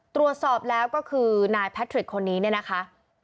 ตรวจสอบแล้วก็คือนายแพทริกคนนี้เนี่ยนะคะ